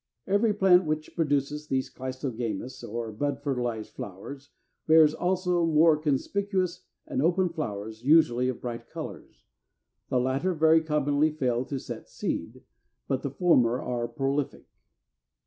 Every plant which produces these cleistogamous or bud fertilized flowers bears also more conspicuous and open flowers, usually of bright colors. The latter very commonly fail to set seed, but the former are prolific.